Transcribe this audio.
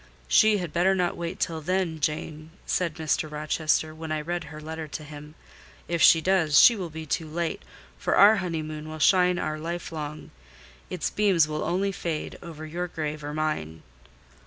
"She had better not wait till then, Jane," said Mr. Rochester, when I read her letter to him; "if she does, she will be too late, for our honeymoon will shine our life long: its beams will only fade over your grave or mine."